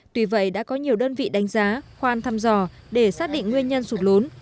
tuy vậy đã có nhiều đơn vị đánh giá khoan thăm dò để xác định nguyên nhân sụt lún